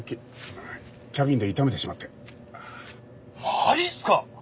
マジっすか！？